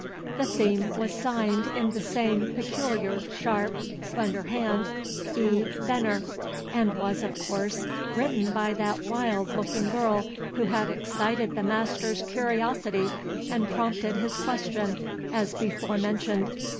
The theme was signed, in the same peculiar, sharp, slender hand, E. Venner, and was, of course, written by that wild looking girl who had excited the master's curiosity and prompted his question, as before mentioned.